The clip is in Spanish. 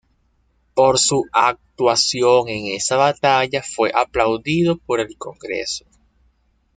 Por su actuación en esa batalla fue aplaudido por el congreso.